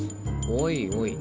おいおい。